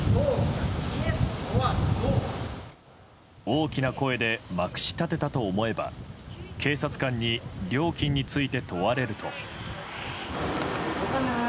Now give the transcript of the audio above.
大きな声でまくし立てたと思えば警察官に料金について問われると。